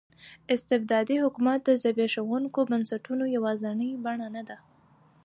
استبدادي حکومت د زبېښونکو بنسټونو یوازینۍ بڼه نه ده.